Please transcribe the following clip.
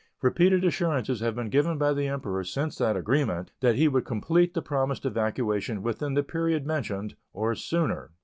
Repeated assurances have been given by the Emperor since that agreement that he would complete the promised evacuation within the period mentioned, or sooner.